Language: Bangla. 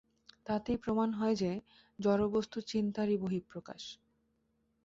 তাতেই প্রমাণ হয় যে, জড়বস্তু চিন্তারই বহিঃপ্রকাশ।